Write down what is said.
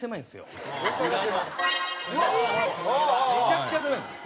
めちゃくちゃ狭いんです。